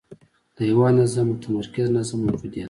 د یوه اندازه متمرکز نظم موجودیت.